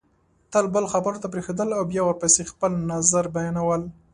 تل بل خبرو ته پرېښودل او بیا ورپسې خپل نظر بیانول